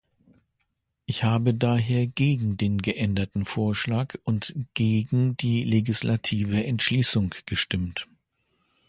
Ich habe daher gegen den geänderten Vorschlag und gegen die legislative Entschließung gestimmt.